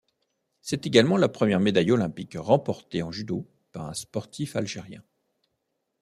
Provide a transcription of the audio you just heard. C'est également la première médaille olympique remportée en judo par un sportif algérien.